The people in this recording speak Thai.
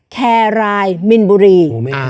แครรายมินบุรี